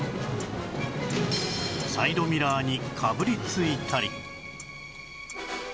サイドミラーにかぶりついたり